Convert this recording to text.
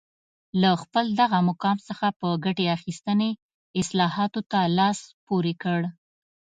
له خپل دغه مقام څخه په ګټې اخیستنې اصلاحاتو ته لاس پورې کړ